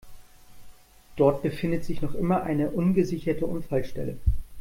Dort befindet sich noch immer eine ungesicherte Unfallstelle.